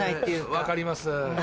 分かります。